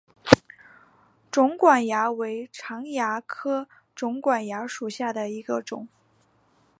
肿管蚜为常蚜科肿管蚜属下的一个种。